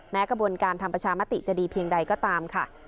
กระบวนการทำประชามติจะดีเพียงใดก็ตามค่ะ